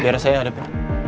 biar saya hadapi